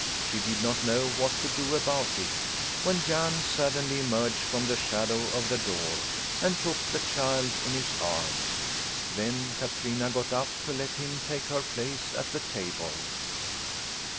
She did not know what to do about it, when Jan suddenly emerged from the shadow of the door and took the child in his arms. Then Katrina got up to let him take her place at the table.